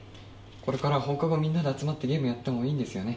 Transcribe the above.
これから放課後みんなで集まってゲームやってもいいんですよね？